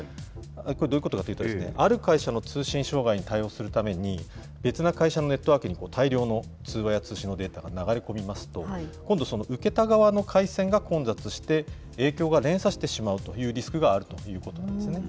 これ、どういうことかといいますと、ある会社の通信障害に対応するために、別な会社のネットワークに大量の通話や通信のデータが流れ込みますと、今度、受けた側の回線が混雑して、影響が連鎖してしまうというリスクがあるということなんですね。